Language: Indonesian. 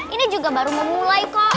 ini juga baru memulai kok